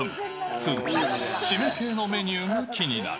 鈴木、しめ系のメニューが気になる。